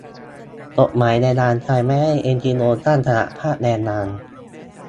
"กฎหมายแรงงานไทยไม่ให้เอ็นจีโอตั้งสหภาพแรงงาน"